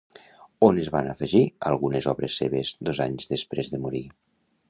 On es van afegir algunes obres seves dos anys després de morir?